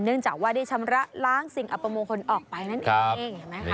เนื่องจากว่าได้ชำระล้างสิ่งอัปมงคลออกไปนั่นเอง